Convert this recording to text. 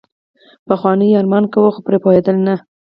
پخوانیو يې ارمان کاوه خو پرې پوهېدل نه.